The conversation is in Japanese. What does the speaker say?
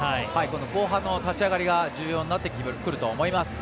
後半の立ち上がりが重要になってくると思います。